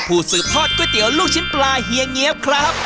สืบทอดก๋วยเตี๋ยวลูกชิ้นปลาเฮียเงี๊ยบครับ